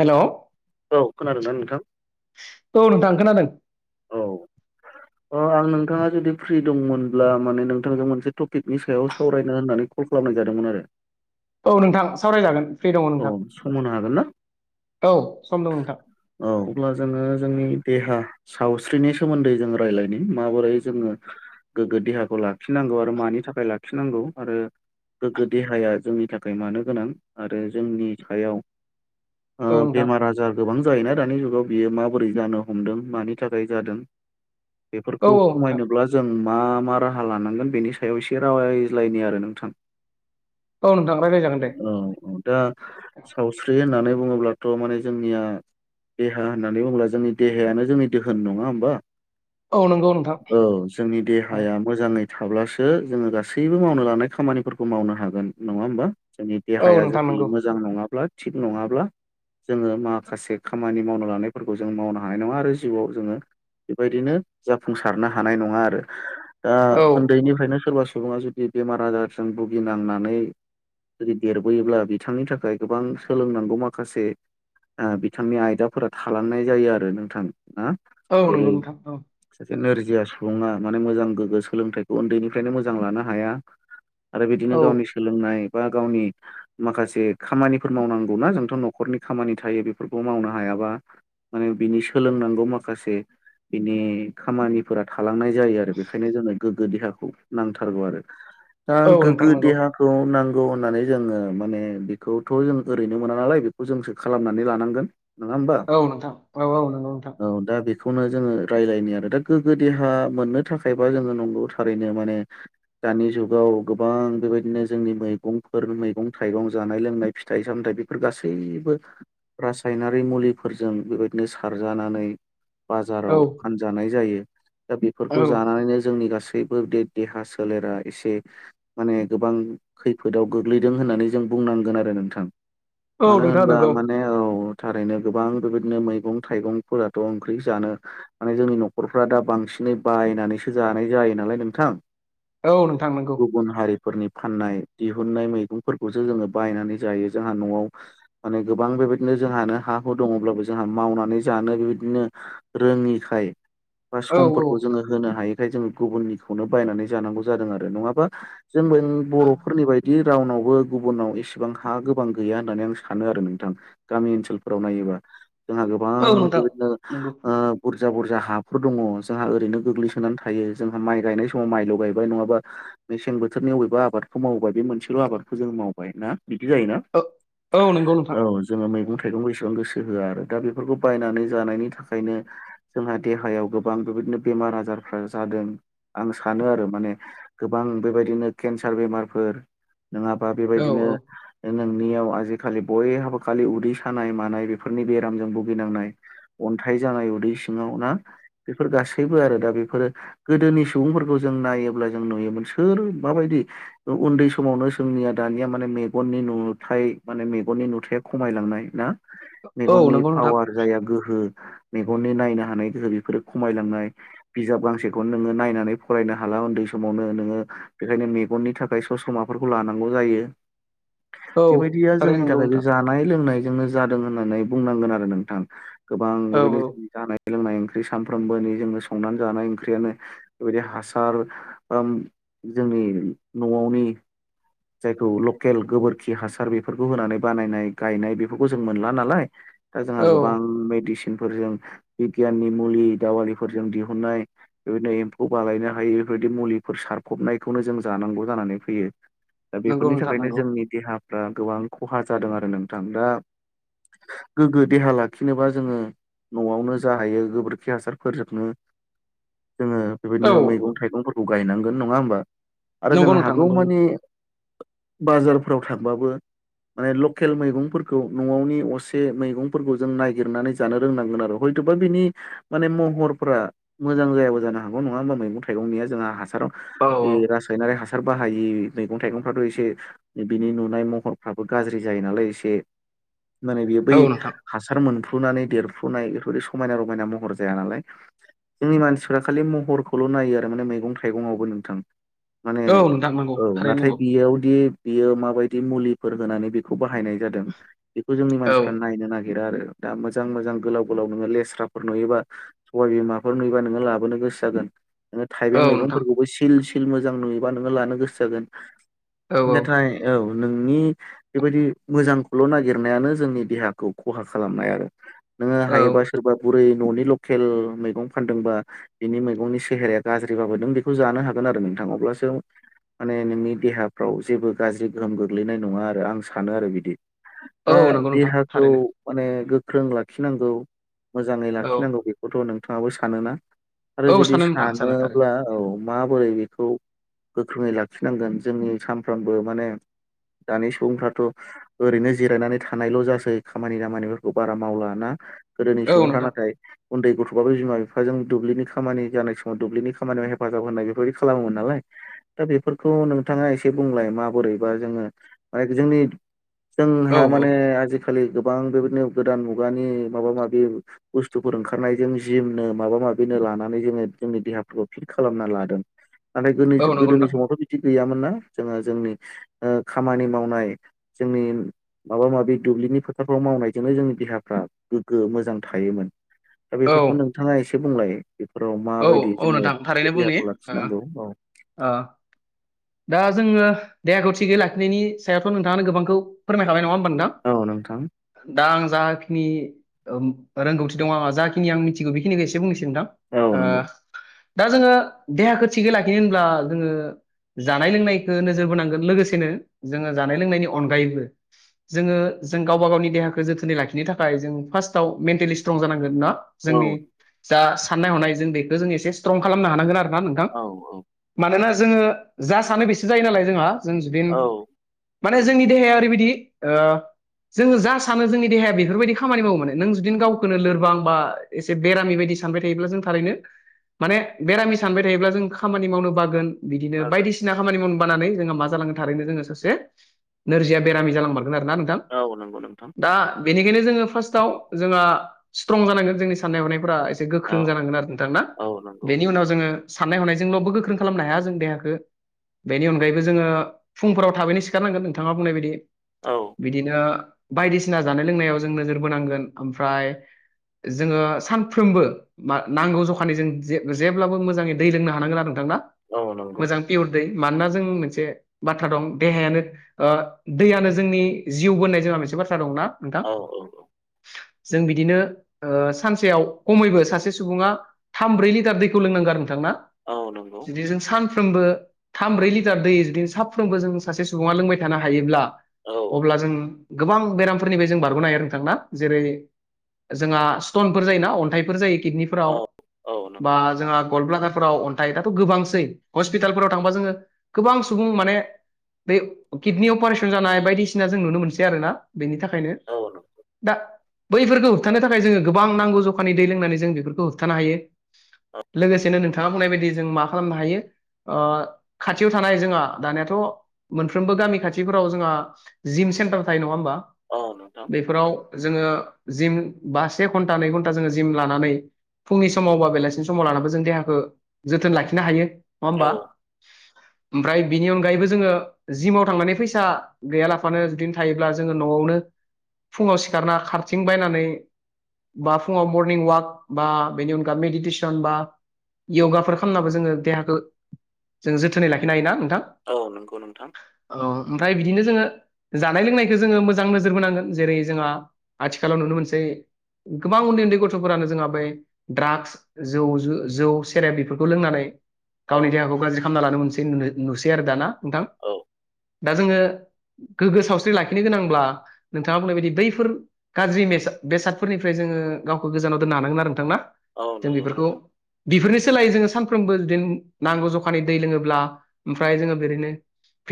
हेल' औ खोनादोंना नोंथां नोंथां खोनादों अ आं नोंथाङा जुदि फ्रि दंमोनब्ला माने नोंथांखौ मोनसे टपिकनि सायाव सावरायनो होननानै खल खालामनाय जादोंमोन आरो औ नोंथां सावरायजागोन फ्रि दङ औ नोंथां समहोनो हागोन ना औ सम दं नोंथां औ अब्ला जोङो जोंनि देहा सावस्रिनि सोमोन्दै जों रायज्लायनो माबोरै जोङो गोग्गो देहाखौ लाखिनांगौ आरो मानि थाखाय लाखिनांगौ आरो गोग्गो देहाया जोंनि थाखाय मानो गोनां आरो जोंनि सायाव औ नोंथां बेमार आजार गोबां जायोना दानि जुगाव बियो माबोरै जानो हमदों मानि थाखाय जादों औ बेफोरखौ औ नोंथां खमायनोब्ला जों आं मा मा राहा लानांगोन बेनि सायाव एसे रायज्लायनि आरो नोंथां औ नोंथां रायलाय जागोन दे दा सावस्रि होननानै बुङोब्लाथ' माने जोंनिया देहा होननानै बुङोब्ला जोंनि देहायानो जोंनि दोहोन नङा होमबा औ नंगौ नोंथां औ जोंनि देहाया मोजाङै थाब्लासो जोङो गासैबो मावनो लानाय खामानिफोरखौ मावनो हागोन नङा होमबा जोंनि औ देहाया नोंथां जुदि नंगौ मोजां नङाब्ला थिग नङाब्ला जोङो माखासे खामानि मावनो लानायफोरखौ जों मावनो हानाय नङा आरो जिउआव जोङो बेबायदिनो जाफुंसारनो हानाय नङा आरो दा औ उन्दैनिफ्रायनो सोरबा सुबुा जुदि बेमार आजारजों भुगिनांनानै जुदि देरबोयोब्ला बि बिथांनि थाखाय गोबां सोलोंनांगौ माखासे बिथांनि आयदाफोरा थालांनाय जायो आरो नोंथां औ नंगौ नोंथां औ एसे नोरजिया सुबुङा माने मोजां गोग्गो सोलोंथाइखौ उन्दैनिफ्रायनो मोजां लानो हाया आरो बिदिनो औ गावनि सोलोंनाय बा गावनि माखासे खामानिफोर मावनांगौनाा जोंथ' न'खरनि खामानि थायो बेफोरखौ मावनो हायाबा माने बिनि सोलोंनांगौ माखासे बिनि खामानिफोरा थालांनाय जायो आरो बेखायनो जोंनो गोग्गो देहाखौ नांथारगौ आरो दा औ नोंथां गोग्गो नंगौ देहाखौ नांगौ होननानै जोङो माने बेखौथ' जों ओरैनो मोना नालाय बेखौ जोंसो खालामनानै लानांगोन नङा होमबा औ नोंथां औ औ नंगौ नोंथां औ दा बे बेखौनो जोङो रायज्लायनो आरो दा गोग्गो देहा मोननो थाखायबा जोङो नंगौ थारैनो माने दानि जुगाव गोबां बेबायदिनो जोंनि मैगंफोर मैगं थाइगं जानाय लोंनाय फिथाइ सामथाइ बेफोर गासैबो रासायनारि मुलिफोरजों बेबायदिनो सारजानानै औ बाजाराव फानजानाय जायो दा औ बेफोरखौ जानानैनो जोंनि गासैबो गासैबो बे देहा सोलेरा एसे माने गोबां खैफोदाव गोग्लैदों होननानै जों बुंनांगोन आरो नोंथां औ मानो नोंथां होनबा नंगौ माने औ थारैनो गोबां बेबायदिनो मैगं थाइगंफोराथ' ओंख्रि जानो माने जोंनि न'खरफ्रा दा बांसिन नै बायनानैसो जानाय जायो नालाय नोंथां औ नोंथां नोंगौ फोरनि फाननाय दिहुननाय मैगंफोर जोङो बायनानै जायो जोंहा न'आव माने गोबां बेबायदिनो जोंहानो हा हु दङब्लाबो जोंहा मावनानै जानो बेबायदिनो रोङिखाय बा औ समफोरखौ जोङो होनो हायिखाय जोङो गुबुननिखौनो बायनानै जानांगौ जादों आरो नङाबा जों [unintelligible] बर'फोरनि बायदि रावनावबो गुबुनाव एसेबां हा गोबां गैया होननानै आं सानो आरो नोंथां गामि ओनसोलफोराव नायोबा जोंहा गोबां औ नोंथां बेबादिनो नंगौ [unintelligible] बुरजा बुरजा हाफोर दङ जोंहा ओरैनो गोग्लैसोनानै थायो जोंहा माइ गायनाय समाव माइल' गायबाय नङाबा मेसें बोथोरनि बबेबा आबादखौ मावोबा बे मोनसेल' आबाद जों मावबाय ना बिदि जायोना औ औ नंगौ नोंथां औ जोङो मैगं थाइगंबो बेसेबां गोसो होआ आरो दा बेफोरखौ बायनानै जानायनि थाखायनो जोंहा देहायाव गोबां बेबायदिनो बेमार आजार जादों आं सानो आरो माने गोबां बेबायदिनो केन्सार बेमारफोर नङाबा औ बेबायदिनो औ नोंनियाव आजिखालि बयहाबो खालि उदै सानाय मानाय बेफोरनि बेरामजों भुगिनांनाय अन्थाइ जानाय उदै सिङाव ना बेफोर गासैबो आरो दा बेफोरो गोदोनि सुबुंफोरखौ जों जों नायोब्ला जों नुयोमोन सोर माबायदि उन्दै समावनो जोंनिया दानिया माने मेगननि नुथाय माने मेगननि नुथाया खमायलांनाय ना औ मेगननि नंगौ नोंथां पावार जाया गोहो मेगननि नायनो हानाय गोहो बेफोरो खमायलांनाय बिजाब गांसेखौनो नोङो नायनानै फरायनो हाला उन्दै समावनो नोङो बेखायनो मेगननि थाखाय ससमाफोर लांगौ जायो औ बेबायदिया थारै जोंनि नंगौ थाखाय बे नोंथां जानाय लोंनाय जोंनो जादों होननानै बुंनांगोन आरो नोंथां गोबां औ औ बेबादिनो [unintelligible] जानाय लोंनाय ओंख्रि सानफ्रोमबोनि जोंनो संनानै जानाय ओंख्रियानो बेबायदि हासार जोंनि न'आवनि जायखौ लकेल गोबोरखि हासार बेफोरखौ होनानै बानायनाय गायनाय बेफोरखौ जों मोनला नालाय दा जोंहा औ गोबां मेदिसिन फोरजों बिगियाननि मुलि दावालिफोरजों दिहुननाय बेबायदिनो एम्फौ बालायनो हायो बेफोर मुलिफोर सारफबनायखौनो जों जानांगौ जानानै फैयो दा नंगौ बेफोरनि नोंथां थाखायनो नंगौ जोंनि देहा फ्रा गोबां खहा जादों आरो नोंथां दा गोग्गो देहा लाखिनोबा जोङो न'आवनो जा हायो गोबोरखि हासारफोरजोंनो जोङो औ बेबायदिनो मैगं थाइगंफोरखौ गायनांगोन नङा होमबा आरो नंगौ जों नोंथां नंगौ नंगौ हागौमानि बाजारफोराव थांबाबो माने लकेल मैगंफोरखौ न'आवनि असे मैगंफोरखौ जों नायगिरनानै जानो रोंनांगोन आरो हय थ'बा बिनि माने महरफोरा मोजां जायाबो जानो हागौ नङा होमबा मैगं थाइगंनिया जोंहा हासार औ [unintelligible] इ रासायनारि हासार बाहायि मैगं थाइगंफ्राथ' एसे बिनि नुनाय महरफ्राबो गाज्रि जायो नालाय एसे माने बेयो बै औ नोंथां हासार मोन फ्रुनानै देरफ्रुनाय बेफोरबायदि समायना रमायना महर जाया नालाय जोंनि मानसिफ्रा खालि महरखौल' नायो आरो माने मैगं थाइगंआवबो नोंथां माने औ नोंथां नांगौ औ नाथाय बेयावदि बियो माबायदि मुलिफोर होनानै बेखौ बाहायनाय जादों बेखौ जोंनि औ मानसिफ्रा नायनो नागिरदों नागिरा आरो दा मोजां मोजां गोलाव गोलाव नोङो लेस्राफोर नुयोबा सबाइ बिमाफोर नुयोबा लाबोनो गो सो जागोन नोङो थाइबें औ नोंथां मैगंफोरखौबो सिल सिल मोजां नुयोबा नोङो लानो गोसो जागोन। नाथाय औ नोंनि बेबायदि मोजांखौल' नागिरनायानो जोंनि देहाखौ खहा खालामनाय आरो। नोङो हायोबा सोरबा बुरै न'नि लकेल मैगं फानदोंबा बिनि मैगंनि सेहेराया गाज्रि बाबोदों बेखौ जानो हागोन आरो नोंथ थां अब्लासो माने नोंनि देहाफ्राव जेबो गाज्रि गोहोम गोग्लैनाय नङा आरो आं सानो आरो बिदि। औ दा नंगौ नोंथां देहाखौ थारैनो माने गोख्रों लाखिनांगौ मोजाङै औ लाखिनांगौ बेखौथ' नोंथाङाबो सानोना आरो औ जुदि सानो नोंथां सानो थारैनो सानोब्ला औ माबोरै बेखौ गोख्रोङै लाखिनांगोन जोंनि सानफ्रोमबो माने दानि सुबुंफ्राथ' ओरैनो जिरायनानै थानायल' जासै खामानि दामानिफोरखौ बारा मावला ना गोदोनि औ सुबुंफ्रा नोंथां नाथाय उन्दै गथ'बाबो बिमा बिफाजों दुब्लिनि खामानि जानाय समाव दुब्लिनि खामानियाव हेफाजाब होनाय बेफोर बायदि खालामोमोन नालाय दा बेफोरखौ नोंथाङा एसे बुंलाय माबोरै बा जोङो माने जोंनि औ जोंहा औ माने आजि खालि गोबां बेबायदिनो गोदान मुगानि माबा माबि बुस्थुफोर ओंखारनायजों जिमनो माबा माबिनो लानानै जोङो जोंनि देहाफोरखौ फिट खालामना लादों। नाथाय गोद औ नंगौ गोदोनि नोंथां समावथ' बिदि गैयामोन ना जोङो जोंनि ओ खामानि मावनाय जोंनि माबा माबि दुब्लिनि फोथारफ्राव मावनायजोंनो जोंनि देहाफ्रा गोग्गो मोजां थायोमोन। दा औ बेफोरखौ नोंथाङा एसे बुंलाय बे र औ माबायदि औ जोङो नोंथां बे देहाखौ लाखिनांगौ औ आ दा जोङो देहाखौ थिगै लाखिनायनि सायावथ' नोंथाङानो गोबांखौ फोरमायखाबाय नङा औ नोंथां थां दा आं जाखिनि रोंगौथि दं आंहा जाखिनि आं मिथिगौ बेखिनिखौ एसे बुंनोसै नोंथां औ ओ नंगौ। दा जोङो देहाखौ थिगै लाखिनो होनब्ला जोङो जानाय लोंनायखो नोजोर बोनांगोन। लोगोसेनो जोङो जानाय लोंनायनि अनगायैबो जोङो जों गावबा गावनि देहाखौ जोथोनै लाखिनो थाखाय जों फार्स्टआव मेन्टेलि स्ट्रं जानांगोन ना औ जोंनि जा साननाय हनाय जों बेखौ जों एसे स्ट्रं खालामनो हानांगोन आरो ना नोंथां। औ मानोना जोङो जा सानो बेसो जायो नालाय जोंहा जों जुदिन औ औ माने जोंनि देहाया ओरैबायदि जोङो जा सानो जोंनि देहाया बेफोर बायदि खामानि मावो मोने नों नों जुदिनो गावखौनो लोरबां बा एसे बेरामि बायदि सानबाय थायोब्ला जों थारैनो माने बेरामि सानबाय थायोब्ला जों खामानि मावनो बागोन बिदिनो जागोन बायदिसिना खामानि मावनो मा जालाङो जोङो सासे नोरजिया बेरामि जां खोनादोंना नोंथां? औ नंगौ नोंथां दा बेनिखायनो जोङो फार्स्टआव जोंहा स्ट्रं जानांगोन जोंनि साननाय हनायफ्रा एसे औ गोख्रों जानांगोन आरो। नोंथां ना औ नंगौ बेनि उनाव जोङो साननाय हनायजोंल'बो गोख्रों खालामनो हाया जों देहाखो बेनि अनगायैबो जोङो फुंफोराव थाबैनो सिखारनांगोन नोंथाङा बुंनाय बायदि औ बिदिनो बायदिसिना जानाय लोंनायाव जों नोजोर बोनांगोन ओमफ्राय जोङो सानफ्रोमबो नांगौ जखानि जों जे-जेब्लाबो मोजाङै दै लोंनो हानांगोन आरो नोंथां औ नंगौ मोजां पियर दै। मानोना जों मोनसे बाथ्रा दं देहायानो दैयानो जोंनि जिउबो होननाय जोंहा मोनसे बाथ्रा दंना थां। औ जों बिदिनो ओ सानसेयाव खमैबो सासे सुबुङा थाम ब्रै लिटार दैखौ लोंनांगो आरोना नोंथां ना औ नंगौ जुदि जों सा साफ्रोमबो थाम ब्रै लिटार दै जुदि साफ्रोमबो जों सासे सुबुङा लोंबाय थानो हायोब्ला औ अब्ला जों गोबां बेरामफोरनिफ्राय जों बारग'नो हायो नोंथां जेरै जोंहा स्टनफोर जायोना अन्थाइफोर औ औ नंगौ फोराव अन्थाइ दाथ' गोबांसै हस्पिटालफोराव थांबा जोङो गोबां सुबुं माने बे किडनि अपारेसन जानाय बायदिसिना जों नुनो मोनसै आरो ना बेनि थाखायनो औ नंगौ दा बैफोरखौ होबथानो थाखाय जोङो गोबां नांगौ जखानि दै लोंनानै जों बेफोरखौ होबथानो हायो। औ लोगोसेनो नोंथाङा बुंनाय बायदि जों मा खालामनो हायो ओ खाथियाव थानाय जोंहा दानियाथ' मोनफ्रोमबो गामि खाथिफोराव जोंहा जिम सेनतार थायो नङा ओमबा औ नोंथां जोङो जिम बा से घन्टा नै घन्टा जोङो जिम लानानै फुंनि समाव बा बेलासिनि समाव लानाबो जों देहाखौ जोथोन लाखिनो हायो। नङा ओमबा औ ओमफ्राय बिनि अनगायैबो जोङो जिमाव थांनानै फैसा गैया लाफानो जुदि थायोब्ला जोङो न'वावनो फुङाव सिखारना खारथिं बायनानै बा फुङाव मरनिं अवाक बा बेनि अनगा मेडिटेसन बा यगाफोर खालामनाबो जोङो देहाखौ जों जोथोनै लाखिनो हायोना नोंथां औ नंगौ नोंथां औ ओमफ्राय बिदिनो जोङो जानाय लोंनायखो जोङो मोजां नोजोर बोनांगोन जेरै जोंहा आथिखालाव नुनो मोनसै गोबां उन्दै उन्दै गथ'फोरानो जोंहा बै ड्राकस जौ सेरेब बेफोरखौ लोंनानै औ गावनि देहाखौ गाज्रि खालामना लानो मोनसै नुसै आरो दा ना नोंथां औ दा जोङो गोग्गो सावस्रि लाखिनो गोनांब्ला नोंथाङा बुंनाय बायदि बैफोर गाज्रिद बेसादफोरनिफ्राय जों ङो गावखौ गोजानाव दोननो हानांगोन आरो नोंथां ना औ जों नंगौ बेफोरखौ नोंथां बेफोरनि सोलायै जो सानफ्रोमबो बिदिनो नांगौ जखानि दै लोङोब्ला ओमफ्राय जोङो बिरैनो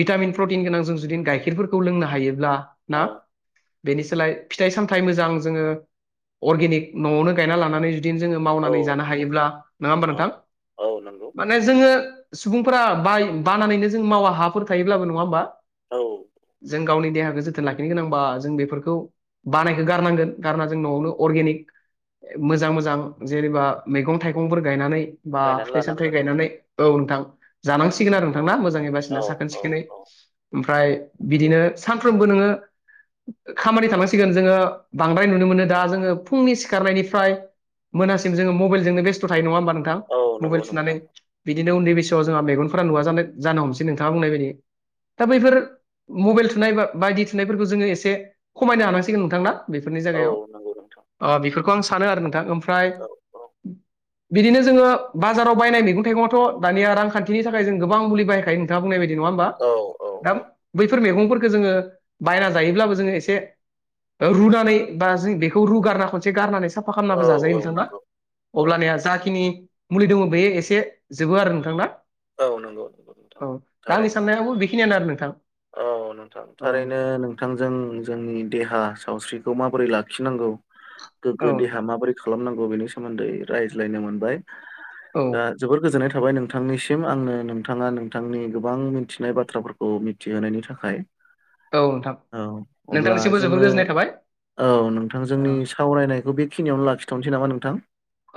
भिटामिन प्रटिन गोनां जों जुदि गाइखेरफोरखौ लोंनो हायोब्ला ना औ बेनि सोलाय फिथाइ सामथाइ मोजां जोङो अर्गेनिक न'वावनो गायना लानानै जोङो औ मावनानै जानो नंगौ हायोब्ला नङा होमबा औ नोंथां औ नंगौ माने जोङो सुबुंफोरा बाय बानानैनो जों मावा हाफोर थायोब्लाबो नङा होमबा औ जों गावनि देहाखौ जोथोन लाखिनो गोनांबा जों बेफोरखौ बानायखो गारनांगोन गारना जों न'वावनो अर्गेनिक [inaudible] मोजां मोजां जेनेबा मैगं थाइगंफोर गायनानै बा नायनानै फिथाइ सामथाइ लानांगोन गायनानै औ नोंथां जानांसिगोन आरो नोंथांना मोजाङै बासिना औ साखोन औ सिखोनै औ ओमफ्राय नंगौ बिदिनो सानफ्रोमबो नोङो खामानि थानांसिगोन जोङो बांद्राय नुनो मोनो दा जोङो फुंनि सिखारनायनि फ्राय मोनासिम जोङो मबेलजोंनो बेस्थ' थायो नङा होमबा नोंथां औ मबेल नंगौ थुनानै नोंथां बिदिनो उन्दै बैसोआव जोंहा मेगनफोरा नुवा जानाय जानो हमसै नोंथाङा बुंनाय बायदि दा बैफोर मबेल थुनाय बा बायदि थुनायफोरखौ जोङो एसे खमायनो हानांसिगोन नोंथांना बेफोरनि औ जायगायाव नंगौ नोंथां ओ बेफोरखौ आं सानो आरो नोंथां ओमफ्राय औ औ बिदिनो जोङो बाजाराव बायनाय मैगं थाइगङाथ' दानिया रांखान्थिनि थाखाय जों गोबां मुलि बायखायो नोंथाङा बुंनाय बायदि नङा ओमबा औ औ दा औ बैफोर मैगंफोरखौ जोङो बायना जायोब्लाबो जोङो एसे रुनानै बा जों बेखौ रुगारना खनसे गारनानै साफा औ खालामनाबो जाजायो औ नोंथाङा नंगौ औ अब्लानिया जाखिनि मुलि दङ बेयो एसे जोबो आरो नोंथांना? औ नंगौ नंगौ नोंथां थारैनो खियानो आरो नोंथां औ नोंथां औ थारैनो नोंथांजों जोंनि देहा सावस्रिखौ माबोरै लाखिनांगौ गोग्गो औ देहा नोंथां माबोरै खालामनां गौ बेनि सोमोन्दै रायज्लायनो मोनबाय औ दा जोबोद गोजोननाय थाबाय नोंथांनिसिम आंनो नोंथाङा नोंथांनि गोबां मिथिनाय बाथ्राफोरखौ थि होनायनि थाखाय औ नोंथां औ अब्ला नोंथांनिसिमबो जोबोर जोङो गोजोननाय थाबाय औ नोंथां औ जोंनि सावरायनायखौ बेखिनियावनो लाखिथ'नोसै नामा नों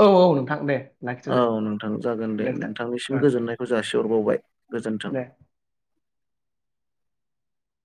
औ औ नोंथां दे लाखिथ'सै औ नोंथां जागोन दे नोंथांनिसिम गोजोननायखौ जासिहरबावबाय। गोजोन्थों। दे